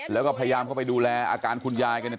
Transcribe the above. แล้วก็พยายามเข้าไปดูแลอาการคุณยายกันเนี่ย